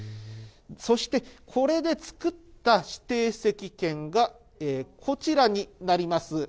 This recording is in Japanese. そして、これで作った指定席券が、こちらになります。